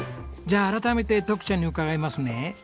じゃあ改めてトキちゃんに伺いますね。